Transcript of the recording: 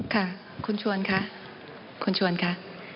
ค่ะคุณชวนค่ะคุณชวนค่ะ